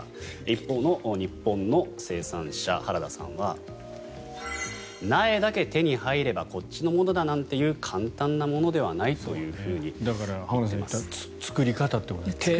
一方の日本の生産者原田さんは苗だけ手に入ればこっちのものだなんていう簡単なものではないというふうに言っています。